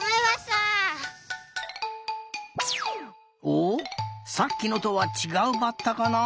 おっさっきのとはちがうバッタかな？